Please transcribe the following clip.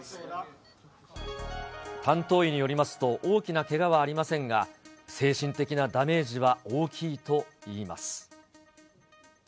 担当医によりますと、大きなけがはありませんが、精神的なダメージは大きいといいます。